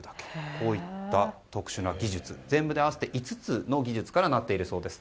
こういった特殊な技術全部で合わせて５つの技術からなっているそうです。